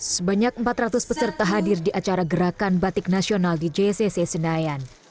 sebanyak empat ratus peserta hadir di acara gerakan batik nasional di jcc senayan